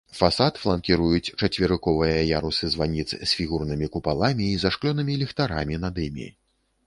Фасад фланкіруюць чацверыковыя ярусы званіц з фігурнымі купаламі і зашклёнымі ліхтарамі над імі.